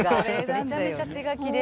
めちゃめちゃ手書きで。